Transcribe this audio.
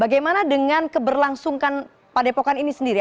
bagaimana dengan keberlangsungan padepokan ini sendiri